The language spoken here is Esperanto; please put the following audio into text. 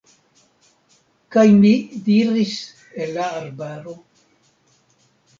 Kaj mi diris el la arbaro: